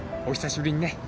お久しぶりにね。